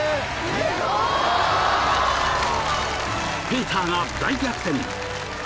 ［ペーターが大逆転！］